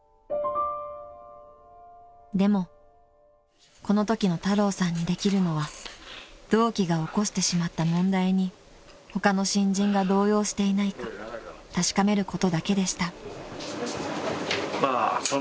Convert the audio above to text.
［でもこのときの太郎さんにできるのは同期が起こしてしまった問題に他の新人が動揺していないか確かめることだけでした］